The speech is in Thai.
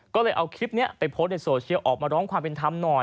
ก็เลยเอาคลิปนี้ไปโพสต์ในโซเชียลออกมาร้องความเป็นธรรมหน่อย